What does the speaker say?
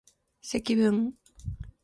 積分